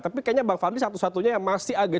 tapi kayaknya bang fadli satu satunya yang masih agak